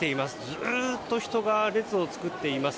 ずっと人が列を作っています。